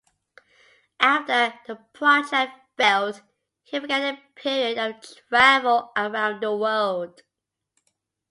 After the project failed, he began a period of travel around the world.